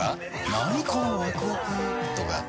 なにこのワクワクとか。